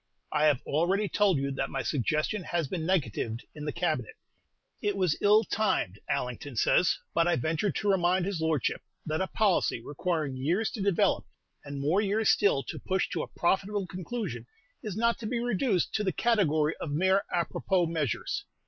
I have already told you that my suggestion has been negatived in the Cabinet: it was ill timed, Allington says; but I ventured to remind his Lordship that a policy requiring years to develop, and more years still to push to a profitable conclusion, is not to be reduced to the category of mere à propos measures.